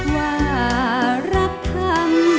ว่ารับทำ